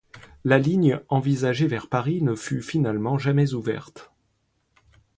La ligne envisagée vers Paris ne fut finalement jamais ouverte.